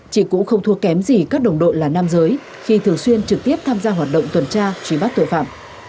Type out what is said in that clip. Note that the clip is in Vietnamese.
chị cũng không thua kém gì các đồng đội là nam giới khi thường xuyên trực tiếp tham gia hoạt động tuần tra truy bắt tội phạm